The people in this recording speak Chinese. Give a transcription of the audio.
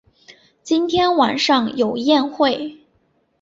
今天晚上有宴会